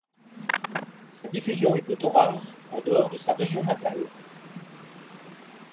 Sa diffusion est plutôt rare en dehors de sa région natale.